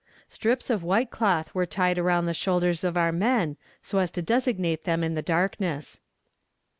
Strips of white cloth were tied around the shoulders of our men, so as to designate them in the darkness.